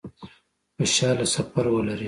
خوشحاله سفر ولري